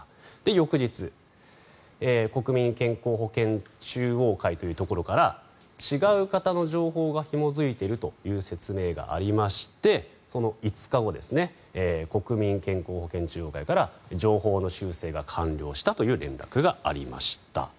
翌日、国民健康保険中央会というところから違う方の情報がひも付いているという説明がありましてその５日後国民健康保険中央会から情報の修正が完了したという連絡がありました。